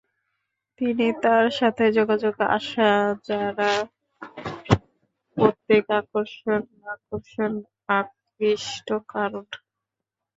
তিনি তার সাথে যোগাযোগে আসা যারা প্রত্যেক আকর্ষণ আকর্ষণ আকৃষ্ট কারণ।